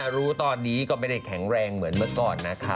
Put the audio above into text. รู้ตอนนี้ก็ไม่ได้แข็งแรงเหมือนเมื่อก่อนนะคะ